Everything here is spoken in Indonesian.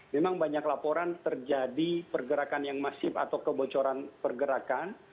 memang banyak laporan terjadi pergerakan yang masif atau kebocoran pergerakan